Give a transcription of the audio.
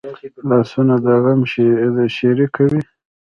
لاسونه د غم شریکه وي